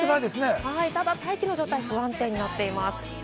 ただ大気の状態は不安定となっています。